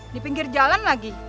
di pinggir jalan lagi